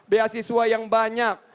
beasiswa yang banyak